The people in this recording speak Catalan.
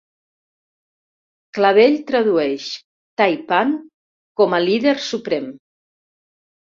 Clavell tradueix Tai-Pan com a "líder suprem".